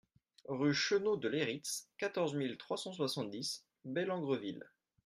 Rue Cheneaux de Leyritz, quatorze mille trois cent soixante-dix Bellengreville